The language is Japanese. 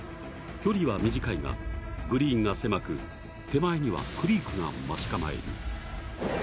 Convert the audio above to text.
距離は短いが、グリーンが狭く手前にはクリークが待ち構える。